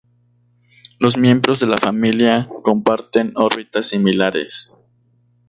Los miembros de la familia comparten órbitas similares.